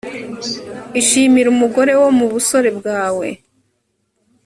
ishimire umugore wo mu busore bwawe